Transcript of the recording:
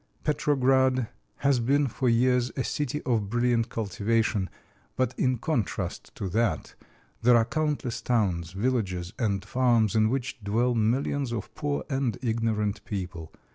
Petrograd has been for years a city of brilliant cultivation, but in contrast to that there are countless towns, villages, and farms in which dwell millions of poor and ignorant people.